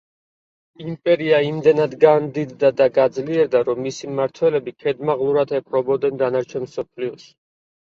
იმპერია იმდენად განდიდდა და გაძლიერდა, რომ მისი მმართველები ქედმაღლურად ეპყრობოდნენ დანარჩენ მსოფლიოს.